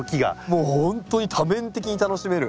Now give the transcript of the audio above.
もうほんとに多面的に楽しめる。